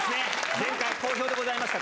前回、好評でございました